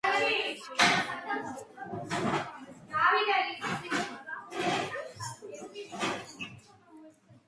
ტაიპის რომელიმე წევრის მკვლელობის ან შეურაცხყოფის გამო მთელი კლანი იძიებს შურს.